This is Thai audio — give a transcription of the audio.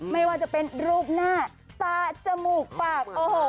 ไม่ว่าจะเป็นรูปหน้าตาจมูกปาก